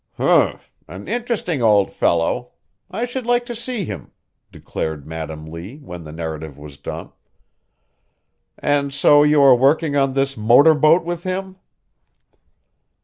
"Humph! An interesting old fellow. I should like to see him," declared Madam Lee when the narrative was done. "And so you are working on this motor boat with him?"